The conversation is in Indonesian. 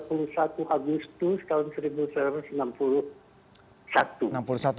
tanggal dua puluh satu agustus tahun seribu sembilan ratus enam puluh satu